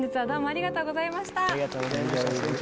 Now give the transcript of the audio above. ありがとうございます。